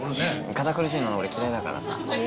堅苦しいの俺嫌いだからさ。